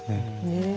ねえ。